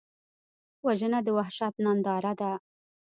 وژنه د وحشت ننداره ده